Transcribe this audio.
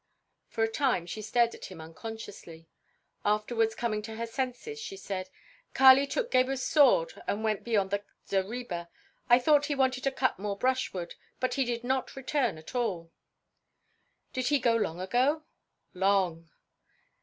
For a time she stared at him unconsciously; afterwards coming to her senses, she said: "Kali took Gebhr's sword and went beyond the zareba. I thought he wanted to cut more brushwood, but he did not return at all." "Did he go long ago?" "Long."